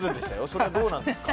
それはどうなんですか？